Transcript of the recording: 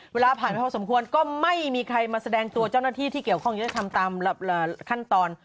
เวลาผ่านไปพอสมควรก็ไม่มีใครมาแสดงตัวเจ้าหน้าที่ที่เกี่ยวข้องจะได้ทำตามขั้นตอน